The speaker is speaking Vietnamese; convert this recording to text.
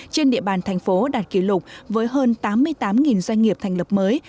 trên địa bàn thành phố đạt kỷ lục với hơn tám mươi tám doanh nghiệp thành lập mới